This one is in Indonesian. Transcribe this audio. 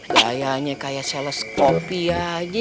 kayaknya kayak seles kopi aja